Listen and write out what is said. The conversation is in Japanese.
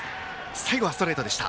最後はストレートでした。